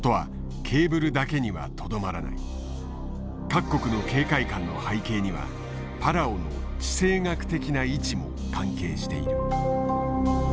各国の警戒感の背景にはパラオの地政学的な位置も関係している。